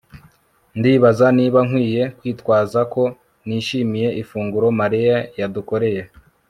Ndibaza niba nkwiye kwitwaza ko nishimiye ifunguro Mariya yadukoreye